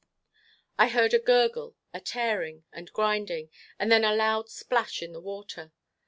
I heard a gurgle, a tearing, and grinding, and then a loud splash in the water.